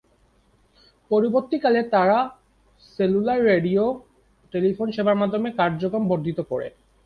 পরবর্তীকালে তারা cellular radio telephone সেবার মাধ্যমে তাদের কার্যক্রম বর্ধিত করে।